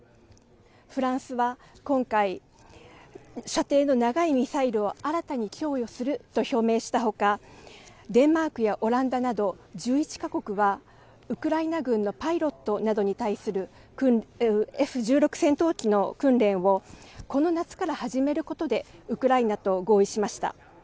フランスは今回、射程の長いミサイルを新たに供与すると表明したほか、デンマークやオランダなど１１か国は、ウクライナ軍のパイロットなどに対するＦ１６戦闘機の訓練をこの夏から始めることでウクライナと合意しました。